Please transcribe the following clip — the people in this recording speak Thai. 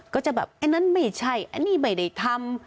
ก็จะแบบอันนั้นไม่ใช่อันนี้ไม่ได้ทำ